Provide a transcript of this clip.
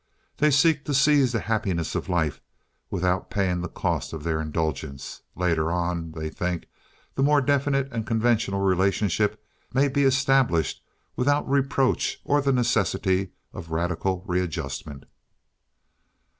They seek to seize the happiness of life without paying the cost of their indulgence. Later on, they think, the more definite and conventional relationship may be established without reproach or the necessity of radical readjustment.